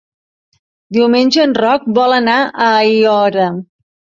Diumenge en Roc vol anar a Aiora.